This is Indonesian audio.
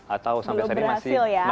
atau sampai saat ini masih belum berhasil ya